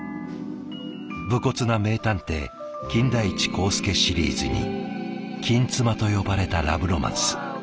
武骨な名探偵「金田一耕助シリーズ」に「金妻」と呼ばれたラブロマンス。